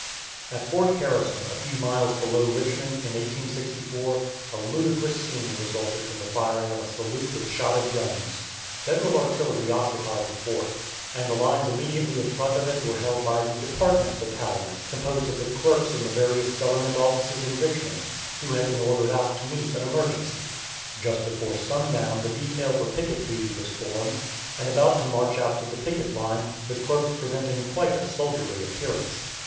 At Fort Harrison, a few miles below Richmond, in 1864, a ludicrous scene resulted from the firing of a salute with shotted guns. Federal artillery occupied the fort, and the lines immediately in front of it were held by the "Department Battalion," composed of the clerks in the various government offices in Richmond, who had been ordered out to meet an emergency. Just before sundown the detail for picket duty was formed, and about to march out to the picket line, the clerks presenting quite a soldierly appearance.